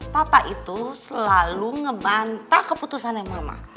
papa itu selalu ngebantah keputusannya mama